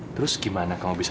terus gimana kamu bisa